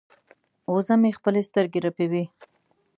وزه مې خپلې سترګې رپوي.